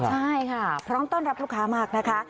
ใช่ค่ะพร้อมต้อนรับลูกค้ามากนะคะ